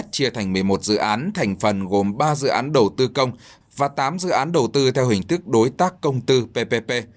chia thành một mươi một dự án thành phần gồm ba dự án đầu tư công và tám dự án đầu tư theo hình thức đối tác công tư ppp